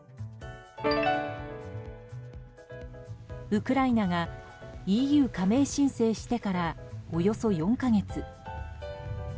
ウクライナがＥＵ加盟申請してからおよそ４か月。